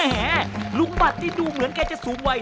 แหมลุงบัตรนี่ดูเหมือนแกจะสูงวัย